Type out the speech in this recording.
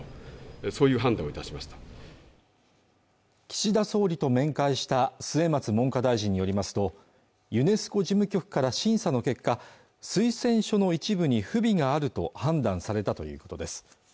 岸田総理と面会した末松文科大臣によりますとユネスコ事務局から審査の結果推薦書の一部に不備があると判断されたということです